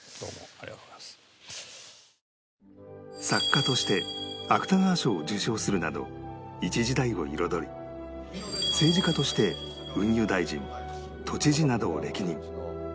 作家として芥川賞を受賞するなど一時代を彩り政治家として運輸大臣都知事などを歴任